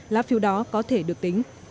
lá phiếu đó có thể được tính